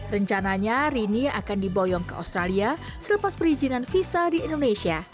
rencananya rini akan diboyong ke australia selepas perizinan visa di indonesia